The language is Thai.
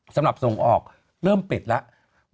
สำหรับส่งออกเริ่มปิดแล้ว